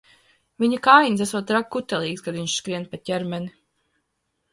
Viņa kājiņas esot traki kutelīgas, kad viņš skrien pa ķermeni.